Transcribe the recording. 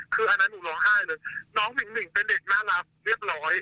คืออันนั้นหนูร้องไห้เลยน้องหมิ่งเป็นเด็กน่ารักเรียบร้อย